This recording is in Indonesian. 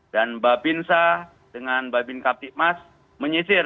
dan mbak bin sah dengan mbak bin kapitmas menyisir